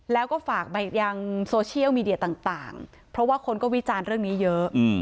แล้วก็ฝากไปยังโซเชียลมีเดียต่างเพราะว่าคนก็วิจารณ์เรื่องนี้เยอะ